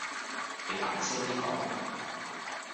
你大聲啲講